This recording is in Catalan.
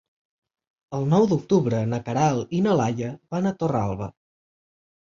El nou d'octubre na Queralt i na Laia van a Torralba.